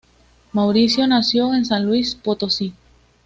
Mauricio nació en San Luis Potosí.